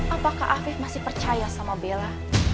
apakah afif masih percaya sama bella